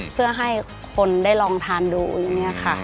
เพื่อให้คนได้ลองทานดูอย่างนี้ค่ะ